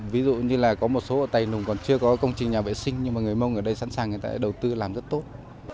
ví dụ như là có một số ở tài nùng còn chưa có công trình nhà vệ sinh nhưng mà người mông ở đây sẵn sàng người ta đã đầu tư làm rất tốt